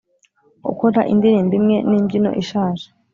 gukora indirimbo imwe n'imbyino ishaje;